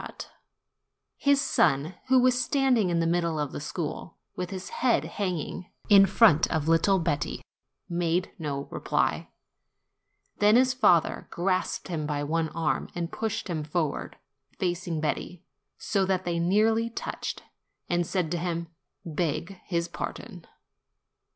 THE CHARCOAL MAN 29 His son, who was standing in the middle of the school, with his head hanging, in front of little Betti, made no reply. Then his father grasped him by one arm and pushed him forward, facing Betti, so that they nearly touched, and said to him, "Beg his pardon."